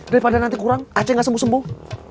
daripada nanti kurang aceh gak sembuh sembuh